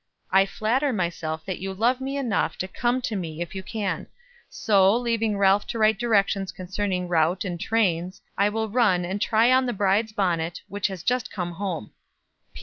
I flatter myself that you love me enough to come to me if you can. So, leaving Ralph to write directions concerning route and trains, I will run and try on the bride's bonnet, which has just come home.